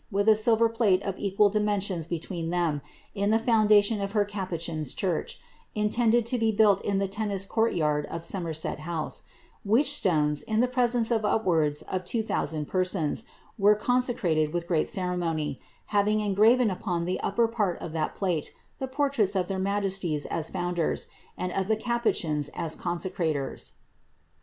with a silver plate of equal dimensions between them, in the foundation of her capuchin^s church, intended to he built in the tennis court yard of Somerset House ; which stones, in the presence of upwards of 2000 persons, were consecrated with great ceremony, having engraven upon the upper part of that plate the portraits of their majesties as founders, and of the capuchins as consecrators.